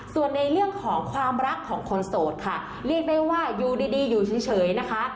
ส่วนในเรื่องของความรักของคนโสดค่ะเรียกได้ว่าอยู่ดีอยู่เฉยนะคะ